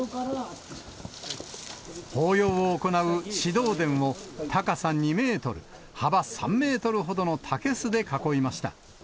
法要を行う祠堂殿を、高さ２メートル、幅３メートルほどの竹すで囲いました。